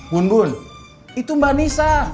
bun bun itu mbak nisa